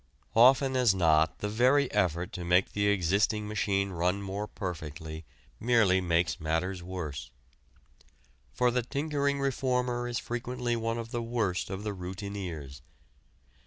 Often as not the very effort to make the existing machine run more perfectly merely makes matters worse. For the tinkering reformer is frequently one of the worst of the routineers.